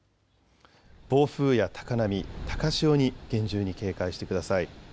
暴風や高波、高潮に厳重に警戒してください。